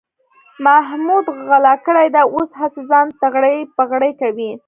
محمود غلا کړې ده، اوس هسې ځان تغړې پغړې کوي.